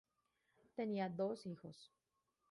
Tenía dos hijos.